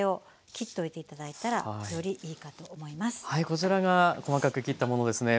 こちらが細かく切ったものですね。